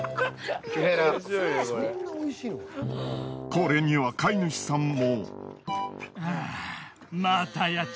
これには飼い主さんも。